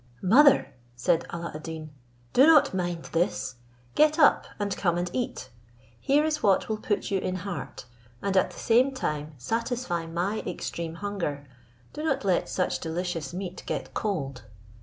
"Mother," said Alla ad Deen, "do not mind this; get up, and come and eat; here is what will put you in heart, and at the same time satisfy my extreme hunger: do not let such delicious meat get cold."